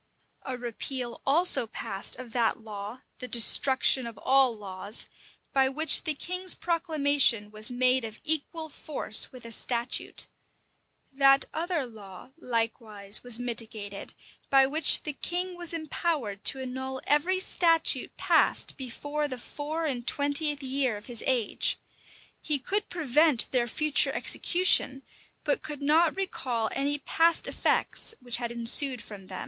A repeal also passed of that law, the destruction of all laws, by which the king's proclamation was made of equal force with a statute.[] That other law, likewise, was mitigated, by which the king was empowered to annul every statute passed before the four and twentieth year of his age: he could prevent their future execution; but could not recall any past effects which had ensued from them.